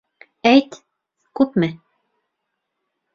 — Әйт, күпме?